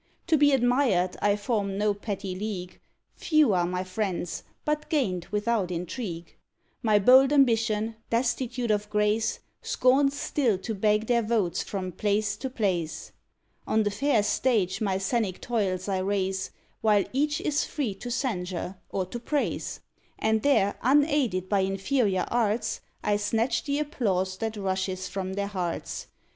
To be admired I form no petty league; Few are my friends, but gain'd without intrigue. My bold ambition, destitute of grace, Scorns still to beg their votes from place to place. On the fair stage my scenic toils I raise, While each is free to censure or to praise; And there, unaided by inferior arts, I snatch the applause that rushes from their hearts.